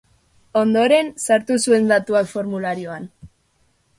Ondoren, sartu zuen datuak formularioan.